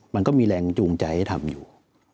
มันก็มีแรงจูงใจให้ทำอยู่